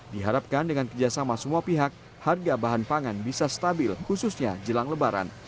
diharapkan dengan kerjasama semua pihak harga bahan pangan bisa stabil khususnya jelang lebaran